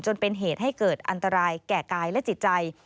จนเป็นเหตุให้เกิดอันตรายแก่กายและจิตใจ